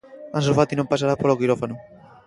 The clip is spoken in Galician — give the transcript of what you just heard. Ansu Fati non pasará polo quirófano.